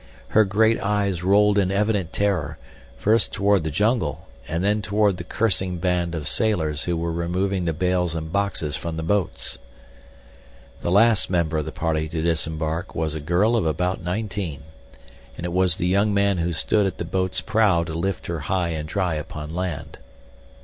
Her great eyes rolled in evident terror, first toward the jungle and then toward the cursing band of sailors who were removing the bales and boxes from the boats. The last member of the party to disembark was a girl of about nineteen, and it was the young man who stood at the boat's prow to lift her high and dry upon land.